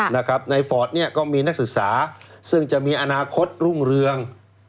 ในฟอร์ตเนี่ยก็มีนักศึกษาซึ่งจะมีอนาคตรุ่งเรือง